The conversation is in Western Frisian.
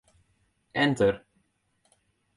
Enter.